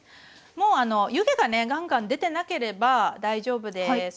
もう湯気がねガンガン出てなければ大丈夫です。